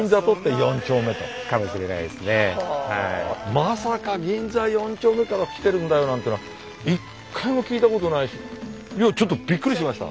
まさか銀座四丁目から来てるんだよなんていうのは一回も聞いたことないしいやちょっとびっくりしました！